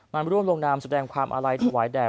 มาร่วมลงนามแสดงความอาลัยถวายแด่